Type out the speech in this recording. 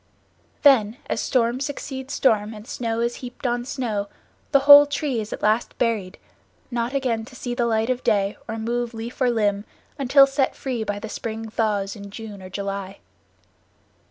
Then, as storm succeeds storm and snow is heaped on snow, the whole tree is at last buried, not again to see the light of day or move leaf or limb until set free by the spring thaws in June or July.